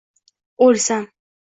O’lsam